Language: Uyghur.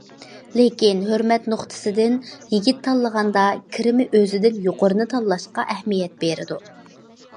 لېكىن ھۆرمەت نۇقتىسىدىن يىگىت تاللىغاندا كىرىمى ئۆزىدىن يۇقىرىنى تاللاشقا ئەھمىيەت بېرىدۇ.